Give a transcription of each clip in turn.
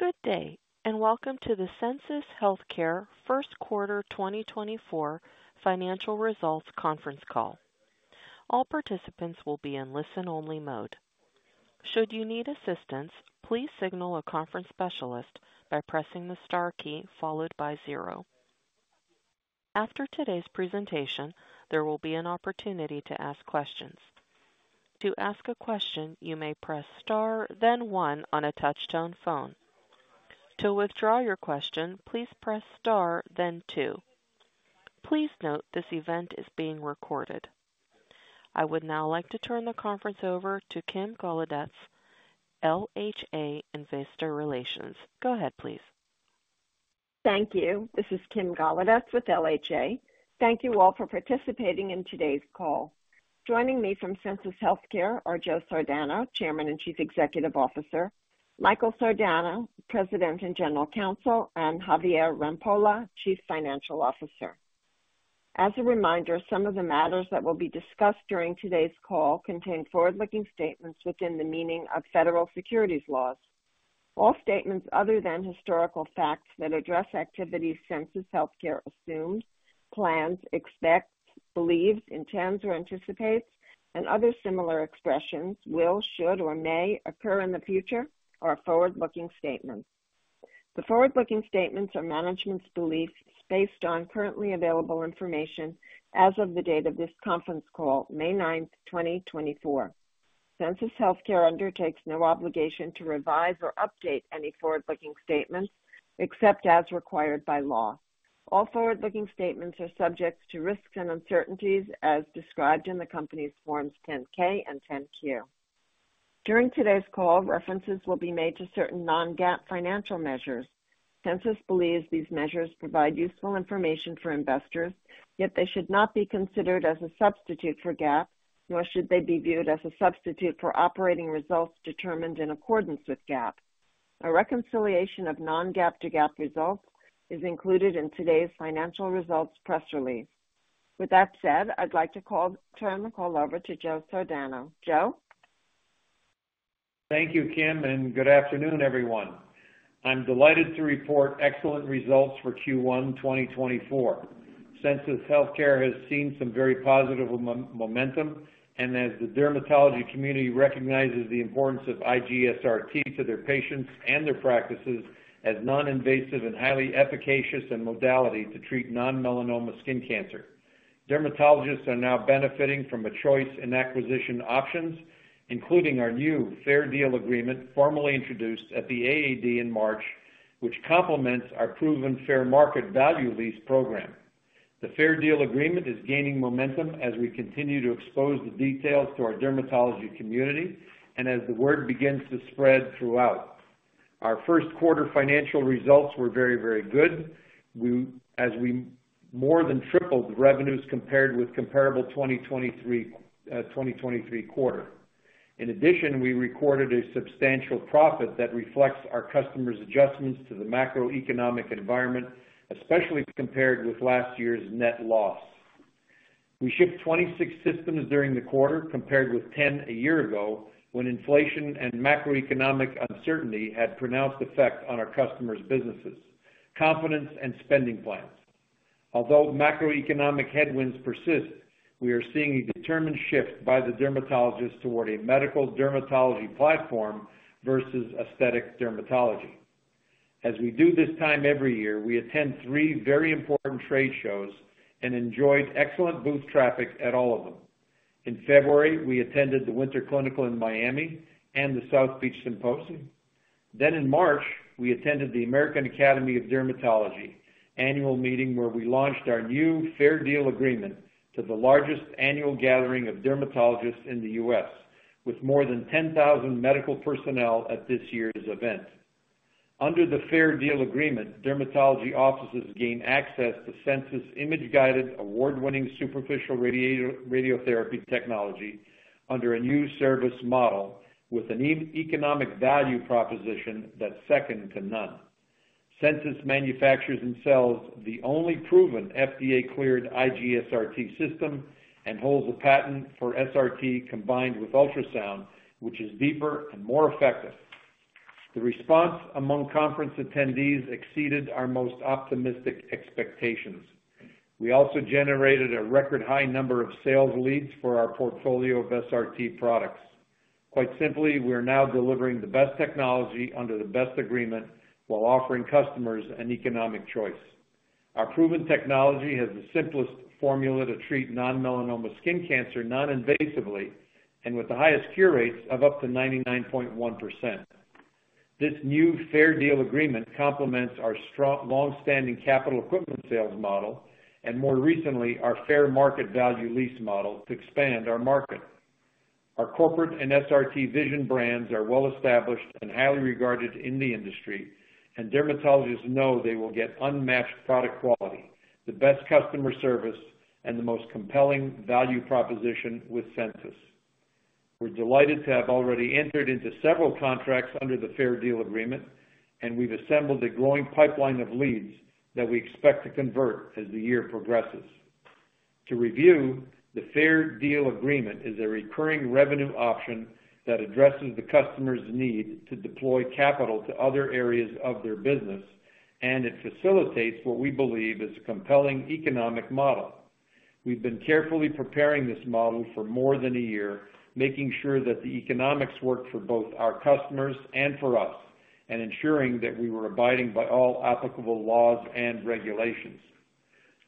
Good day and welcome to the Sensus Healthcare First Quarter 2024 financial results conference call. All participants will be in listen-only mode. Should you need assistance, please signal a conference specialist by pressing the star key followed by zero. After today's presentation, there will be an opportunity to ask questions. To ask a question, you may press star, then one on a touch-tone phone. To withdraw your question, please press star, then two. Please note this event is being recorded. I would now like to turn the conference over to Kim Golodetz, LHA Investor Relations. Go ahead, please. Thank you. This is Kim Golodetz with LHA. Thank you all for participating in today's call. Joining me from Sensus Healthcare are Joe Sardano, Chairman and Chief Executive Officer, Michael Sardano, President and General Counsel, and Javier Rampolla, Chief Financial Officer. As a reminder, some of the matters that will be discussed during today's call contain forward-looking statements within the meaning of federal securities laws. All statements other than historical facts that address activities Sensus Healthcare assumes, plans, expects, believes, intends, or anticipates, and other similar expressions (will, should, or may) occur in the future are forward-looking statements. The forward-looking statements are management's beliefs based on currently available information as of the date of this conference call, May 9, 2024. Sensus Healthcare undertakes no obligation to revise or update any forward-looking statements except as required by law. All forward-looking statements are subject to risks and uncertainties as described in the company's Forms 10-K and 10-Q. During today's call, references will be made to certain non-GAAP financial measures. Sensus believes these measures provide useful information for investors, yet they should not be considered as a substitute for GAAP, nor should they be viewed as a substitute for operating results determined in accordance with GAAP. A reconciliation of non-GAAP to GAAP results is included in today's financial results press release. With that said, I'd like to turn the call over to Joe Sardano. Joe? Thank you, Kim, and good afternoon, everyone. I'm delighted to report excellent results for Q1 2024. Sensus Healthcare has seen some very positive momentum, and as the dermatology community recognizes the importance of IGSRT to their patients and their practices as non-invasive and highly efficacious a modality to treat non-melanoma skin cancer, dermatologists are now benefiting from a choice in acquisition options, including our new Fair Deal Agreement formally introduced at the AAD in March, which complements our proven fair market value lease program. The Fair Deal Agreement is gaining momentum as we continue to expose the details to our dermatology community and as the word begins to spread throughout. Our first quarter financial results were very, very good, as we more than tripled revenues compared with comparable 2023 quarter. In addition, we recorded a substantial profit that reflects our customers' adjustments to the macroeconomic environment, especially compared with last year's net loss. We shipped 26 systems during the quarter compared with 10 a year ago when inflation and macroeconomic uncertainty had pronounced effect on our customers' businesses, confidence, and spending plans. Although macroeconomic headwinds persist, we are seeing a determined shift by the dermatologists toward a medical dermatology platform versus aesthetic dermatology. As we do this time every year, we attend three very important trade shows and enjoyed excellent booth traffic at all of them. In February, we attended the Winter Clinical in Miami and the South Beach Symposium. Then in March, we attended the American Academy of Dermatology annual meeting where we launched our new Fair Deal Agreement to the largest annual gathering of dermatologists in the U.S., with more than 10,000 medical personnel at this year's event. Under the Fair Deal Agreement, dermatology offices gain access to Sensus image-guided, award-winning superficial radiotherapy technology under a new service model with an economic value proposition that's second to none. Sensus manufactures and sells the only proven FDA-cleared IGSRT system and holds a patent for SRT combined with ultrasound, which is deeper and more effective. The response among conference attendees exceeded our most optimistic expectations. We also generated a record-high number of sales leads for our portfolio of SRT products. Quite simply, we are now delivering the best technology under the best agreement while offering customers an economic choice. Our proven technology has the simplest formula to treat non-melanoma skin cancer non-invasively and with the highest cure rates of up to 99.1%. This new Fair Deal Agreement complements our longstanding capital equipment sales model and, more recently, our fair market value lease model to expand our market. Our corporate and SRT Vision brands are well-established and highly regarded in the industry, and dermatologists know they will get unmatched product quality, the best customer service, and the most compelling value proposition with Sensus. We're delighted to have already entered into several contracts under the Fair Deal Agreement, and we've assembled a growing pipeline of leads that we expect to convert as the year progresses. To review, the Fair Deal Agreement is a recurring revenue option that addresses the customer's need to deploy capital to other areas of their business, and it facilitates what we believe is a compelling economic model. We've been carefully preparing this model for more than a year, making sure that the economics worked for both our customers and for us, and ensuring that we were abiding by all applicable laws and regulations.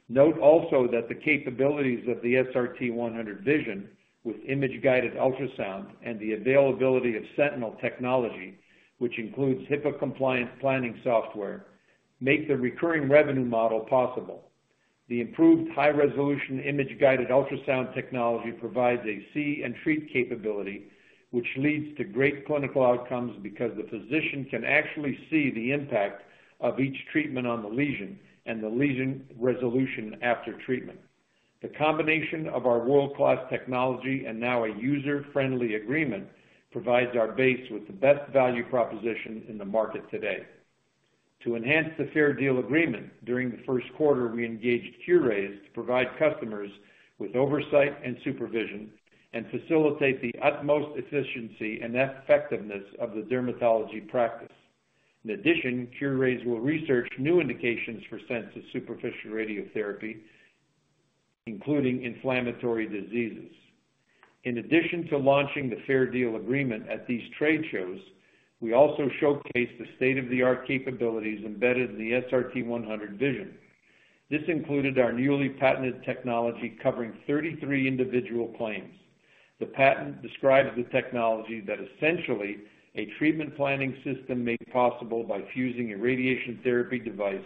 Note also that the capabilities of the SRT-100 Vision with image-guided ultrasound and the availability of Sentinel technology, which includes HIPAA-compliant planning software, make the recurring revenue model possible. The improved high-resolution image-guided ultrasound technology provides a see-and-treat capability, which leads to great clinical outcomes because the physician can actually see the impact of each treatment on the lesion and the lesion resolution after treatment. The combination of our world-class technology and now a user-friendly agreement provides our base with the best value proposition in the market today. To enhance the Fair Deal Agreement, during the first quarter, we engaged CureRays to provide customers with oversight and supervision and facilitate the utmost efficiency and effectiveness of the dermatology practice. In addition, CureRays will research new indications for Sensus superficial radiotherapy, including inflammatory diseases. In addition to launching the Fair Deal Agreement at these trade shows, we also showcased the state-of-the-art capabilities embedded in the SRT-100 Vision. This included our newly patented technology covering 33 individual claims. The patent describes the technology that, essentially, a treatment planning system made possible by fusing a radiation therapy device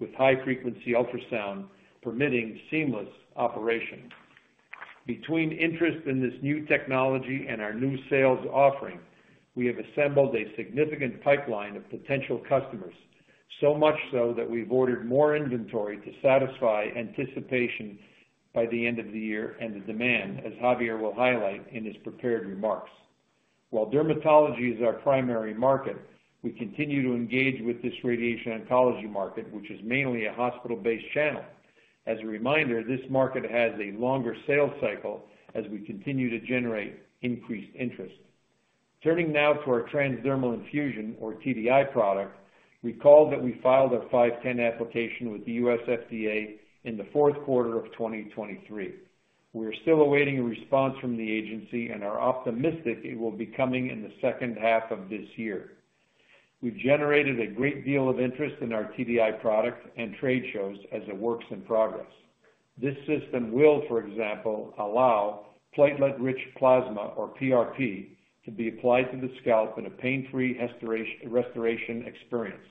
with high-frequency ultrasound, permitting seamless operation. Between interest in this new technology and our new sales offering, we have assembled a significant pipeline of potential customers, so much so that we've ordered more inventory to satisfy anticipation by the end of the year and the demand, as Javier will highlight in his prepared remarks. While dermatology is our primary market, we continue to engage with this radiation oncology market, which is mainly a hospital-based channel. As a reminder, this market has a longer sales cycle as we continue to generate increased interest. Turning now to our transdermal infusion, or TDI, product, recall that we filed our 510(k) application with the U.S. FDA in the fourth quarter of 2023. We are still awaiting a response from the agency, and are optimistic it will be coming in the second half of this year. We've generated a great deal of interest in our TDI product and trade shows as it works in progress. This system will, for example, allow platelet-rich plasma, or PRP, to be applied to the scalp in a pain-free restoration experience.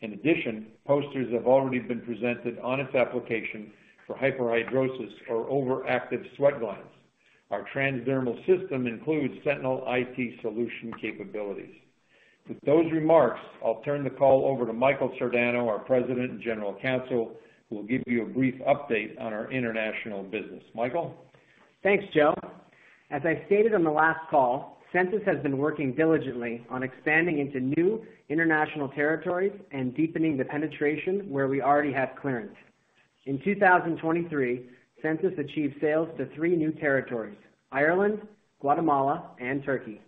In addition, posters have already been presented on its application for hyperhidrosis or overactive sweat glands. Our transdermal system includes Sentinel IT solution capabilities. With those remarks, I'll turn the call over to Michael Sardano, our President and General Counsel, who will give you a brief update on our international business. Michael? Thanks, Joe. As I stated on the last call, Sensus has been working diligently on expanding into new international territories and deepening the penetration where we already have clearance. In 2023, Sensus achieved sales to three new territories: Ireland, Guatemala, and Turkey.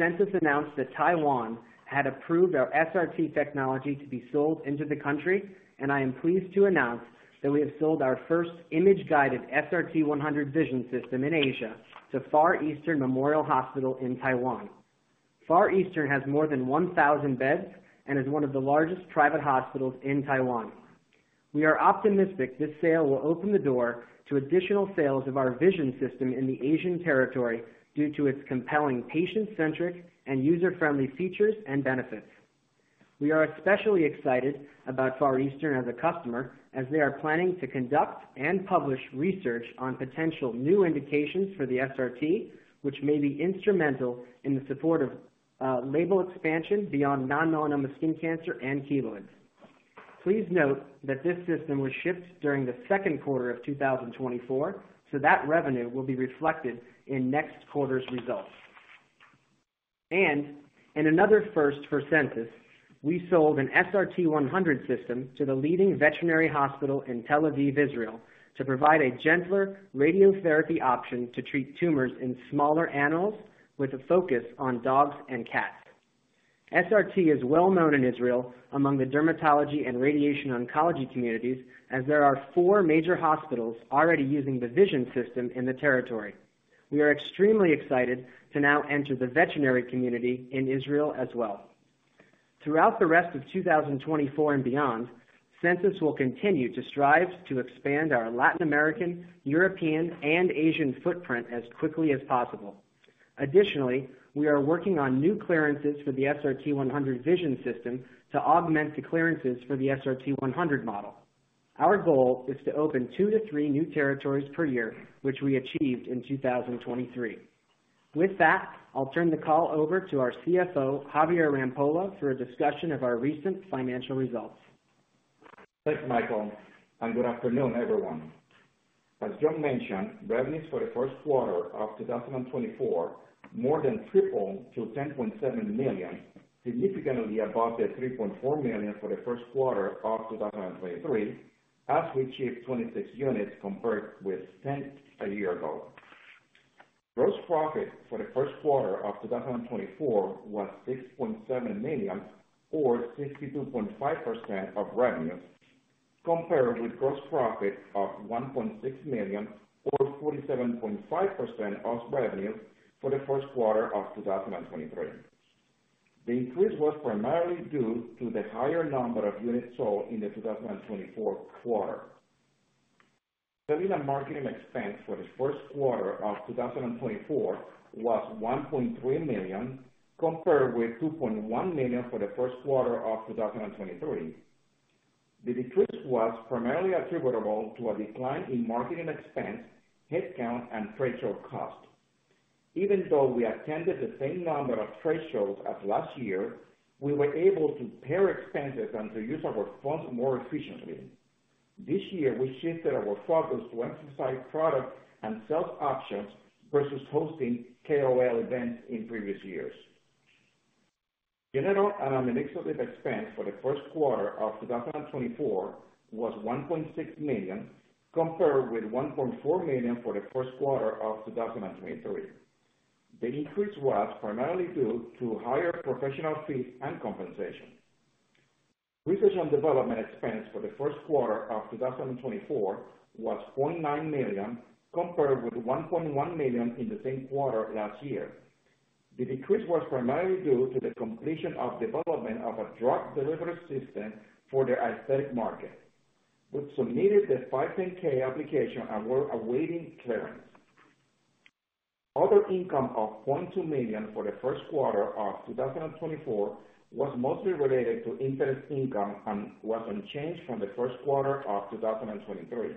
In 2022, Sensus announced that Taiwan had approved our SRT technology to be sold into the country, and I am pleased to announce that we have sold our first image-guided SRT-100 Vision system in Asia to Far Eastern Memorial Hospital in Taiwan. Far Eastern has more than 1,000 beds and is one of the largest private hospitals in Taiwan. We are optimistic this sale will open the door to additional sales of our Vision system in the Asian territory due to its compelling patient-centric and user-friendly features and benefits. We are especially excited about Far Eastern as a customer, as they are planning to conduct and publish research on potential new indications for the SRT, which may be instrumental in the support of label expansion beyond non-melanoma skin cancer and keloid. Please note that this system was shipped during the second quarter of 2024, so that revenue will be reflected in next quarter's results. In another first for Sensus, we sold an SRT-100 system to the leading veterinary hospital in Tel Aviv, Israel, to provide a gentler radiotherapy option to treat tumors in smaller animals with a focus on dogs and cats. SRT is well-known in Israel among the dermatology and radiation oncology communities, as there are four major hospitals already using the Vision system in the territory. We are extremely excited to now enter the veterinary community in Israel as well. Throughout the rest of 2024 and beyond, Sensus will continue to strive to expand our Latin American, European, and Asian footprint as quickly as possible. Additionally, we are working on new clearances for the SRT-100 Vision system to augment the clearances for the SRT-100 model. Our goal is to open two to three new territories per year, which we achieved in 2023. With that, I'll turn the call over to our CFO, Javier Rampolla, for a discussion of our recent financial results. Thanks, Michael, and good afternoon, everyone. As Joe mentioned, revenues for the first quarter of 2024 more than tripled to $10.7 million, significantly above the $3.4 million for the first quarter of 2023, as we achieved 26 units compared with 10 a year ago. Gross profit for the first quarter of 2024 was $6.7 million, or 62.5% of revenue, compared with gross profit of $1.6 million, or 47.5% of revenue, for the first quarter of 2023. The increase was primarily due to the higher number of units sold in the 2024 quarter. Selling and marketing expense for the first quarter of 2024 was $1.3 million, compared with $2.1 million for the first quarter of 2023. The decrease was primarily attributable to a decline in marketing expense, headcount, and trade show cost. Even though we attended the same number of trade shows as last year, we were able to pare expenses and to use our funds more efficiently. This year, we shifted our focus to emphasize product and sales options versus hosting KOL events in previous years. General and administrative expense for the first quarter of 2024 was $1.6 million, compared with $1.4 million for the first quarter of 2023. The increase was primarily due to higher professional fees and compensation. Research and development expense for the first quarter of 2024 was $0.9 million, compared with $1.1 million in the same quarter last year. The decrease was primarily due to the completion of development of a drug delivery system for the aesthetic market. We submitted the 510(k) application and were awaiting clearance. Other income of $0.2 million for the first quarter of 2024 was mostly related to interest income and was unchanged from the first quarter of 2023.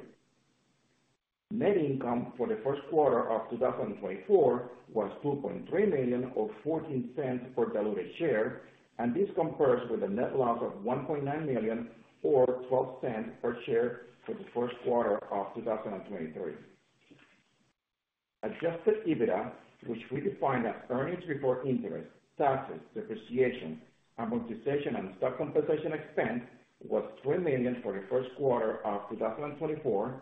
Net income for the first quarter of 2024 was $2.3 million, or $0.14, per delivered share, and this compares with a net loss of $1.9 million, or $0.12, per share for the first quarter of 2023. Adjusted EBITDA, which we define as earnings before interest, taxes, depreciation, amortization, and stock compensation expense, was $3 million for the first quarter of 2024,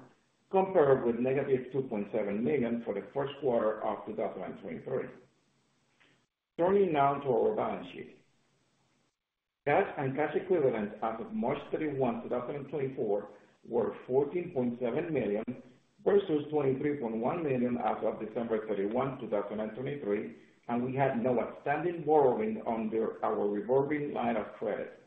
compared with -$2.7 million for the first quarter of 2023. Turning now to our balance sheet. Debt and cash equivalents as of March 31, 2024, were $14.7 million versus $23.1 million as of December 31, 2023, and we had no outstanding borrowing under our revolving line of credit.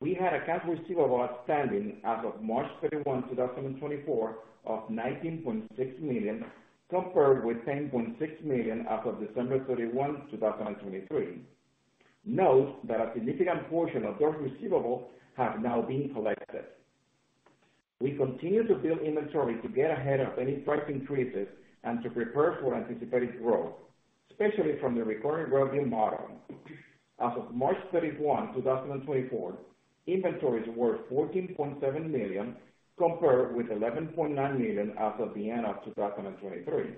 We had a cash receivable outstanding as of March 31, 2024, of $19.6 million, compared with $10.6 million as of December 31, 2023. Note that a significant portion of those receivables have now been collected. We continue to build inventory to get ahead of any price increases and to prepare for anticipated growth, especially from the recurring revenue model. As of March 31, 2024, inventories were $14.7 million, compared with $11.9 million as of the end of 2023.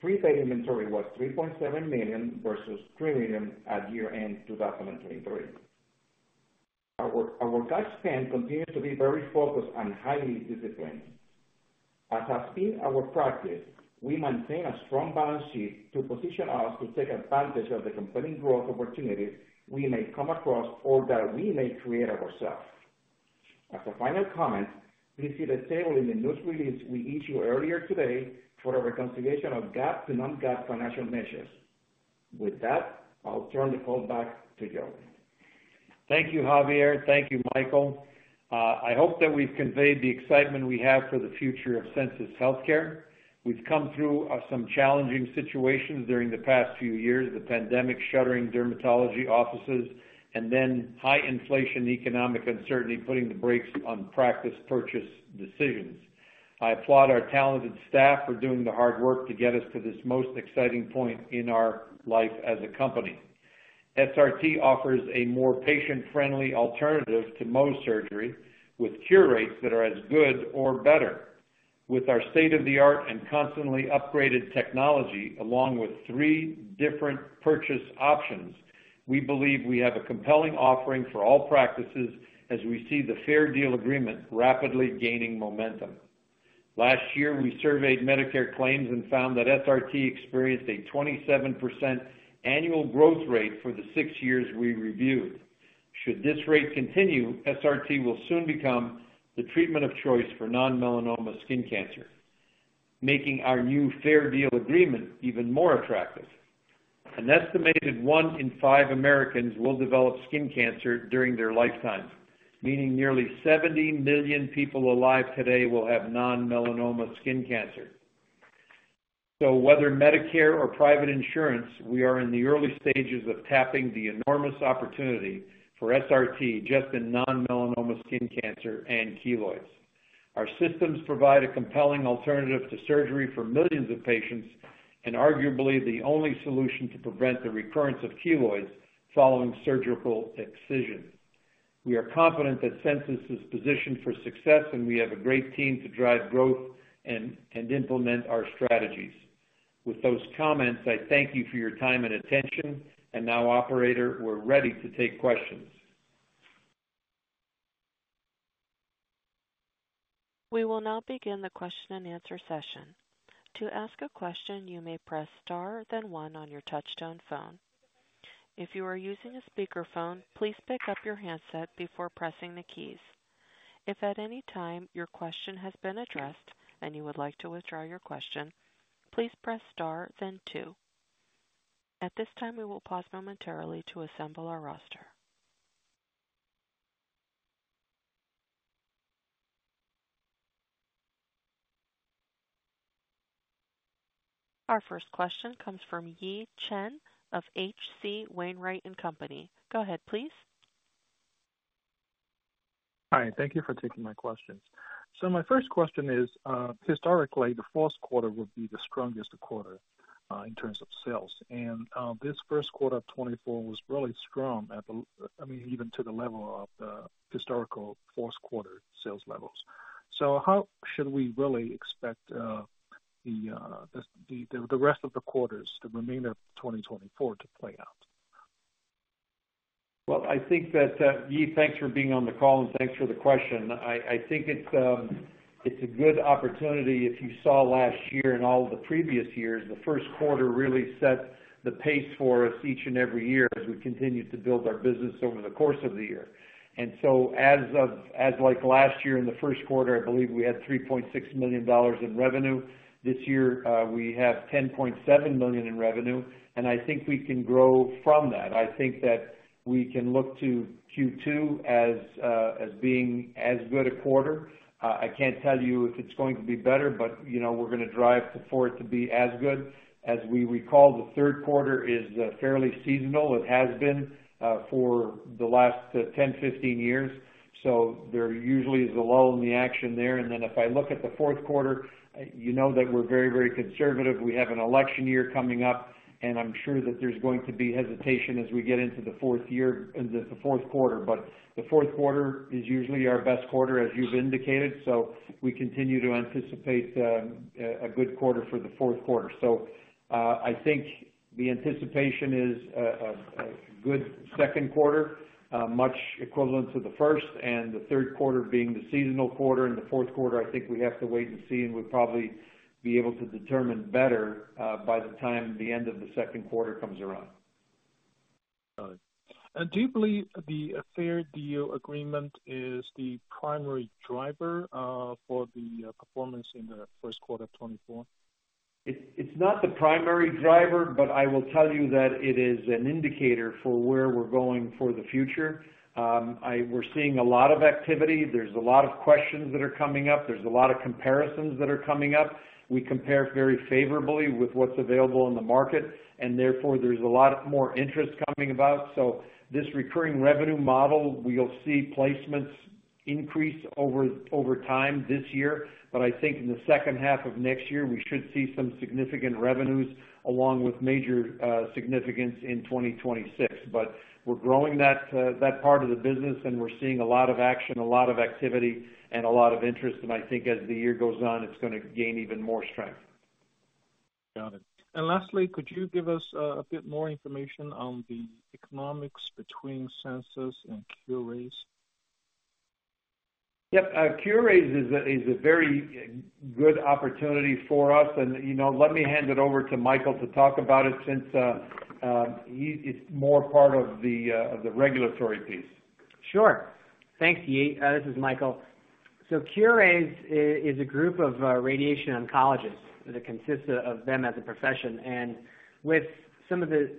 Prepaid inventory was $3.7 million versus $3 million at year-end 2023. Our cash spend continues to be very focused and highly disciplined. As has been our practice, we maintain a strong balance sheet to position us to take advantage of the competing growth opportunities we may come across or that we may create ourselves. As a final comment, please see the table in the news release we issued earlier today for our reconciliation of GAAP to non-GAAP financial measures. With that, I'll turn the call back to Joe. Thank you, Javier. Thank you, Michael. I hope that we've conveyed the excitement we have for the future of Sensus Healthcare. We've come through some challenging situations during the past few years: the pandemic, shuttering dermatology offices, and then high inflation and economic uncertainty putting the brakes on practice purchase decisions. I applaud our talented staff for doing the hard work to get us to this most exciting point in our life as a company. SRT offers a more patient-friendly alternative to Mohs surgery, with cure rates that are as good or better. With our state-of-the-art and constantly upgraded technology, along with three different purchase options, we believe we have a compelling offering for all practices as we see the Fair Deal Agreement rapidly gaining momentum. Last year, we surveyed Medicare claims and found that SRT experienced a 27% annual growth rate for the six years we reviewed. Should this rate continue, SRT will soon become the treatment of choice for non-melanoma skin cancer, making our new Fair Deal Agreement even more attractive. An estimated 1 in 5 Americans will develop skin cancer during their lifetime, meaning nearly 70 million people alive today will have non-melanoma skin cancer. So whether Medicare or private insurance, we are in the early stages of tapping the enormous opportunity for SRT just in non-melanoma skin cancer and keloids. Our systems provide a compelling alternative to surgery for millions of patients and, arguably, the only solution to prevent the recurrence of keloids following surgical excision. We are confident that Sensus is positioned for success, and we have a great team to drive growth and implement our strategies. With those comments, I thank you for your time and attention, and now, Operator, we're ready to take questions. We will now begin the question-and-answer session. To ask a question, you may press star, then 1 on your touch-tone phone. If you are using a speakerphone, please pick up your handset before pressing the keys. If at any time your question has been addressed and you would like to withdraw your question, please press star, then two. At this time, we will pause momentarily to assemble our roster. Our first question comes from Yi Chen of H.C. Wainwright & Co. Go ahead, please. Hi. Thank you for taking my questions. My first question is, historically, the fourth quarter would be the strongest quarter in terms of sales, and this first quarter of 2024 was really strong at the—I mean—even to the level of the historical fourth-quarter sales levels. So how should we really expect the rest of the quarters, the remainder of 2024, to play out? Well, I think that Yi, thanks for being on the call, and thanks for the question. I think it's a good opportunity. If you saw last year and all of the previous years, the first quarter really set the pace for us each and every year as we continue to build our business over the course of the year. And so as of like last year in the first quarter, I believe we had $3.6 million in revenue. This year, we have $10.7 million in revenue, and I think we can grow from that. I think that we can look to Q2 as being as good a quarter. I can't tell you if it's going to be better, but we're going to drive for it to be as good. As we recall, the third quarter is fairly seasonal. It has been for the last 10, 15 years. So there usually is a lull in the action there. Then if I look at the fourth quarter, you know that we're very, very conservative. We have an election year coming up, and I'm sure that there's going to be hesitation as we get into the fourth year into the fourth quarter. But the fourth quarter is usually our best quarter, as you've indicated, so we continue to anticipate a good quarter for the fourth quarter. So I think the anticipation is a good second quarter, much equivalent to the first, and the third quarter being the seasonal quarter. In the fourth quarter, I think we have to wait and see, and we'll probably be able to determine better by the time the end of the second quarter comes around. Got it. Do you believe the Fair Deal Agreement is the primary driver for the performance in the first quarter of 2024? It's not the primary driver, but I will tell you that it is an indicator for where we're going for the future. We're seeing a lot of activity. There's a lot of questions that are coming up. There's a lot of comparisons that are coming up. We compare very favorably with what's available in the market, and therefore, there's a lot more interest coming about. So this recurring revenue model, we'll see placements increase over time this year, but I think in the second half of next year, we should see some significant revenues along with major significance in 2026. But we're growing that part of the business, and we're seeing a lot of action, a lot of activity, and a lot of interest. And I think as the year goes on, it's going to gain even more strength. Got it. Lastly, could you give us a bit more information on the economics between Sensus and cure rates? Yep. CureRays is a very good opportunity for us, and let me hand it over to Michael to talk about it since he's more part of the regulatory piece. Sure. Thanks, Yi. This is Michael. So CureRays is a group of radiation oncologists that consists of them as a profession. And with some of the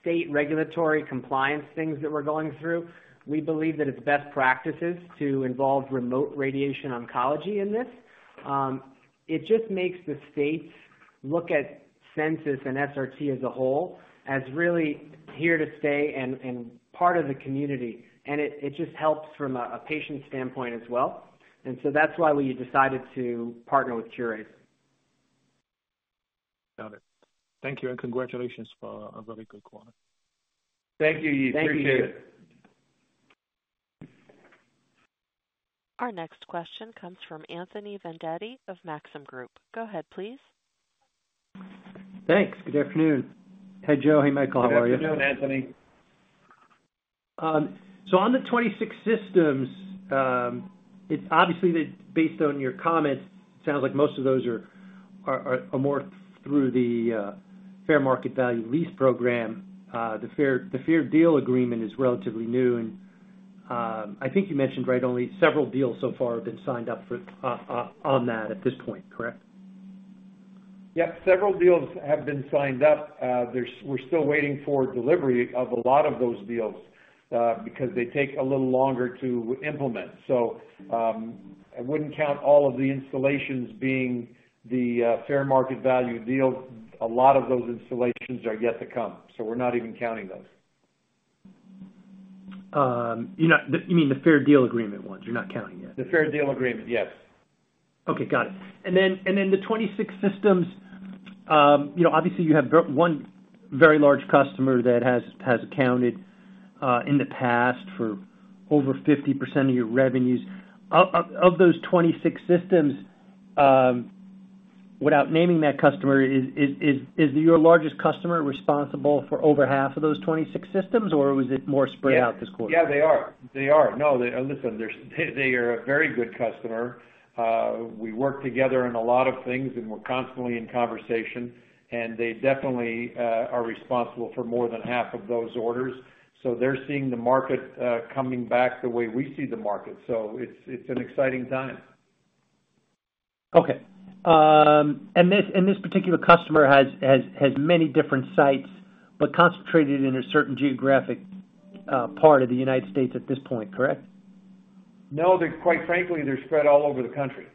state regulatory compliance things that we're going through, we believe that it's best practices to involve remote radiation oncology in this. It just makes the states look at Sensus and SRT as a whole as really here to stay and part of the community, and it just helps from a patient standpoint as well. And so that's why we decided to partner with CureRays. Got it. Thank you, and congratulations for a very good quarter. Thank you, Yi. Appreciate it. Thank you. Our next question comes from Anthony Vendetti of Maxim Group. Go ahead, please. Thanks. Good afternoon. Hey, Joe. Hey, Michael. How are you? Good afternoon, Anthony. So on the 26 systems, obviously, based on your comments, it sounds like most of those are more through the fair market value lease program. The Fair Deal Agreement is relatively new, and I think you mentioned, right, only several deals so far have been signed up on that at this point, correct? Yep. Several deals have been signed up. We're still waiting for delivery of a lot of those deals because they take a little longer to implement. So I wouldn't count all of the installations being the fair market value deals. A lot of those installations are yet to come, so we're not even counting those. You mean the Fair Deal Agreement ones? You're not counting yet? The Fair Deal Agreement, yes. Okay. Got it. And then the 26 systems, obviously, you have one very large customer that has accounted in the past for over 50% of your revenues. Of those 26 systems, without naming that customer, is your largest customer responsible for over half of those 26 systems, or was it more spread out this quarter? Yeah. Yeah, they are. They are. No. Listen, they are a very good customer. We work together on a lot of things, and we're constantly in conversation, and they definitely are responsible for more than half of those orders. So they're seeing the market coming back the way we see the market, so it's an exciting time. Okay. And this particular customer has many different sites but concentrated in a certain geographic part of the United States at this point, correct? No. Quite frankly, they're spread all over the country.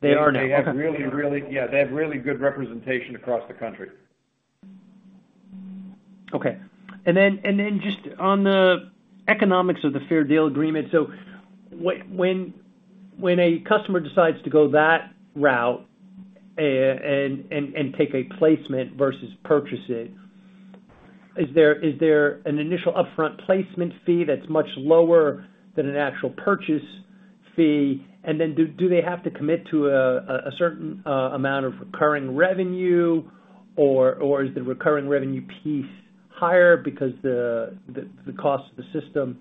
They are now. They have really good representation across the country. Okay. Just on the economics of the Fair Deal Agreement, so when a customer decides to go that route and take a placement versus purchase it, is there an initial upfront placement fee that's much lower than an actual purchase fee? And then do they have to commit to a certain amount of recurring revenue, or is the recurring revenue piece higher because the cost of the system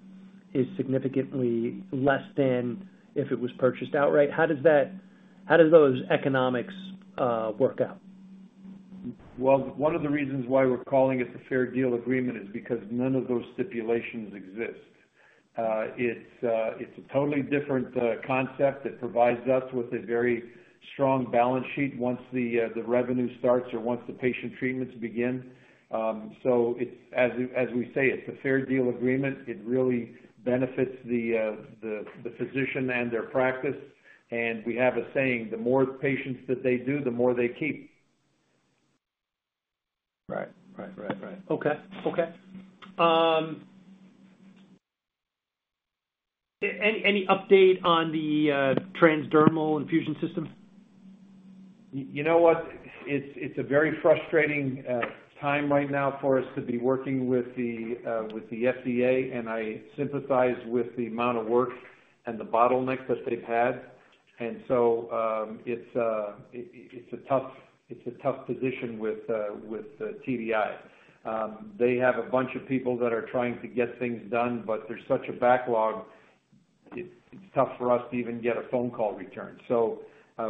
is significantly less than if it was purchased outright? How do those economics work out? Well, one of the reasons why we're calling it the Fair Deal Agreement is because none of those stipulations exist. It's a totally different concept. It provides us with a very strong balance sheet once the revenue starts or once the patient treatments begin. So as we say, it's a Fair Deal Agreement. It really benefits the physician and their practice. And we have a saying, "The more patients that they do, the more they keep. Right. Right. Right. Right. Okay. Okay. Any update on the Transdermal Infusion system? You know what? It's a very frustrating time right now for us to be working with the FDA, and I sympathize with the amount of work and the bottleneck that they've had. And so it's a tough position with TDI. They have a bunch of people that are trying to get things done, but there's such a backlog, it's tough for us to even get a phone call returned. So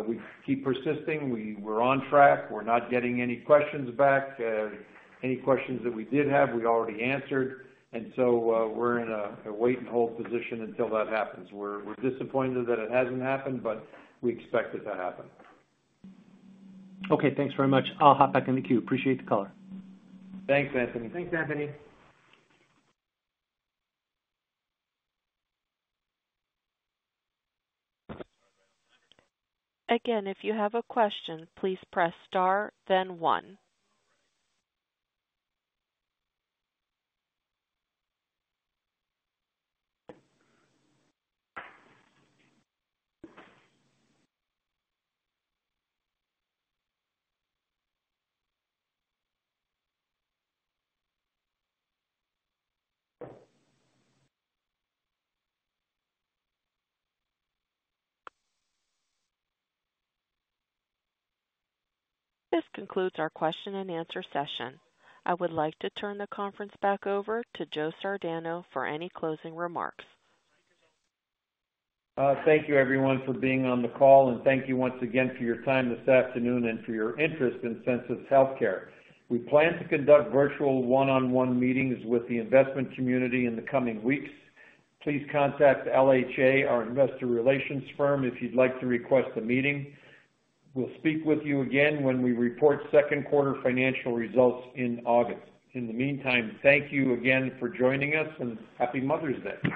we keep persisting. We're on track. We're not getting any questions back. Any questions that we did have, we already answered. And so we're in a wait-and-hold position until that happens. We're disappointed that it hasn't happened, but we expect it to happen. Okay. Thanks very much. I'll hop back in the queue. Appreciate the call. Thanks, Anthony. Thanks, Anthony. Again, if you have a question, please press star, then one. This concludes our question-and-answer session. I would like to turn the conference back over to Joe Sardano for any closing remarks. Thank you, everyone, for being on the call, and thank you once again for your time this afternoon and for your interest in Sensus Healthcare. We plan to conduct virtual one-on-one meetings with the investment community in the coming weeks. Please contact LHA, our investor relations firm, if you'd like to request a meeting. We'll speak with you again when we report second-quarter financial results in August. In the meantime, thank you again for joining us, and Happy Mother's Day.